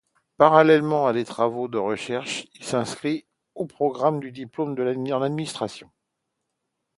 Parallèlement à ses travaux de recherche, il s’inscrit au programme du diplôme en administration.